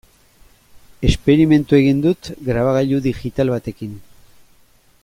Esperimentua egin dut grabagailu digital batekin.